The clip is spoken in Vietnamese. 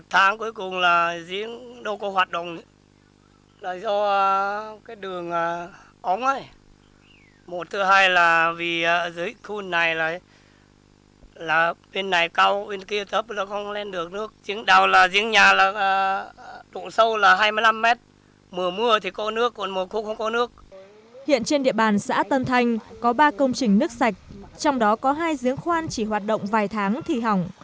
hiện trên địa bàn xã tân thanh có ba công trình nước sạch trong đó có hai giếng khoan chỉ hoạt động vài tháng thì hỏng